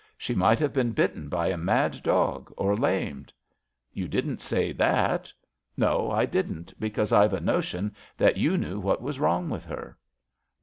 She might have been bitten by a mad dog, or lamed/' You didn't say that." *' No, I didn't, because I've a notion that you knew what was wrong with her."